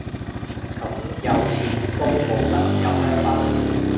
咁有錢都冇得飲香檳